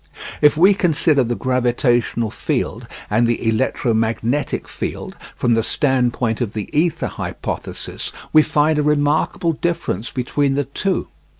If we consider the gravitational field and the electromagnetic field from the stand point of the ether hypothesis, we find a remarkable difference between the two.